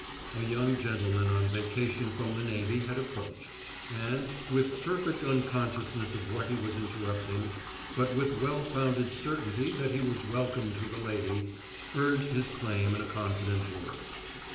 A young gentleman on vacation from the navy had approached, and, with perfect unconsciousness of what he was interrupting, but with well founded certainty that he was welcome to the lady, urged his claim in a confident voice.